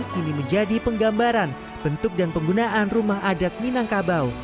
kini menjadi penggambaran bentuk dan penggunaan rumah adat minangkabau